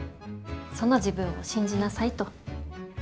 その自分を信じなさいと。